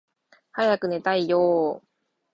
早く寝たいよーー